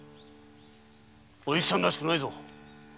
お幸さんらしくないぞ！